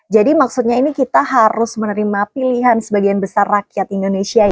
jadi maksudnya ini kita harus menerima pilihan sebagian besar rakyat indonesia